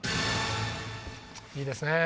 いいですねえ。